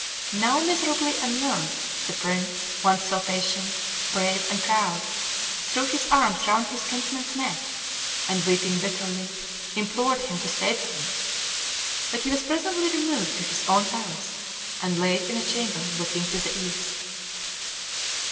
Now miserably unnerved, the prince, once so patient, brave, and proud, threw his arms round his kinsman's neck, and, weeping bitterly, implored him to save him. But he was presently removed to his own palace, and laid in a chamber looking to the east.